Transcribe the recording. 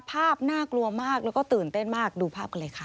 น่ากลัวมากแล้วก็ตื่นเต้นมากดูภาพกันเลยค่ะ